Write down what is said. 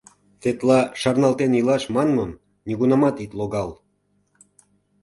— Тетла «шарналтен илаш» манмым нигунамат ит логал!